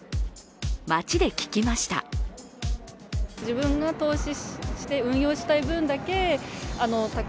街で聞きました。